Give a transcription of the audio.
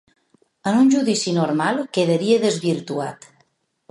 En un judici normal quedaria desvirtuat.